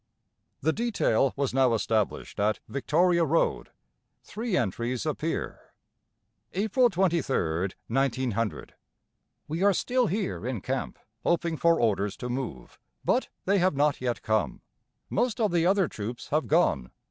The detail was now established at Victoria Road. Three entries appear*: * I only count two. ... A. L., 1995. April 23rd, 1900. We are still here in camp hoping for orders to move, but they have not yet come. Most of the other troops have gone.